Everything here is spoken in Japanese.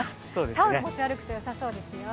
タオル、持ち歩くとよさそうですよ